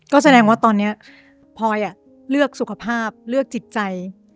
ก็แสดงว่าตอนนี้พลอยเลือกสุขภาพเลือกจิตใจ